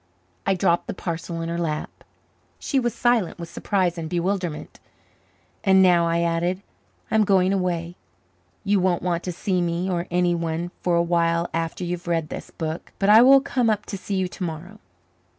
I dropped the parcel in her lap. She was silent with surprise and bewilderment. "And now," I added, "I am going away. You won't want to see me or anyone for a while after you have read this book. But I will come up to see you to morrow."